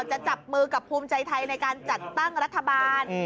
จะจับมือกับภูมิใจไทยในการจัดตั้งรัฐบาล